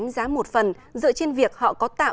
giá một phần dựa trên việc họ có tạo